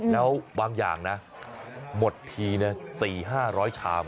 แล้วบางอย่างนะหมดที๔๕๐๐ชาม